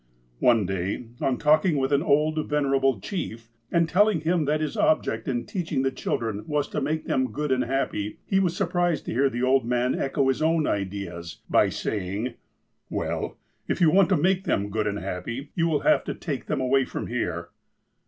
One day, on talking with an old, venerable chief, and telling him that his object in teaching the children was to make them good and happy, he was surprised to hear the old man echo his own ideas, by saying :" Well, if you want to make them good and happy, you will have to take them away from here."